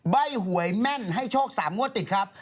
ใบ้หวยแม่นให้โชค๓งวดติดครับ